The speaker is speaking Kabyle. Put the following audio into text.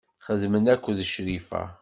Xeddmen akked Crifa.